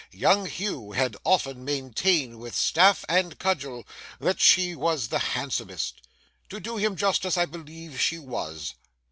Young Hugh had often maintained with staff and cudgel that she was the handsomest. To do him justice, I believe she was.